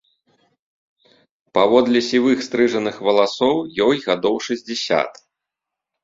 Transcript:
Паводле сівых стрыжаных валасоў ёй гадоў шэсцьдзесят.